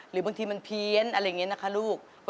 เพราะเสียงเช่าร้องใหม่แล้ว